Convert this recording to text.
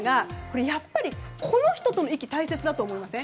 やっぱり投げる人との息が大切だと思いませんか。